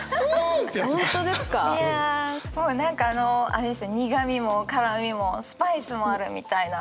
いやすごい何かあの苦みも辛みもスパイスもあるみたいな。